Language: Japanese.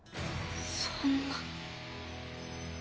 そんな。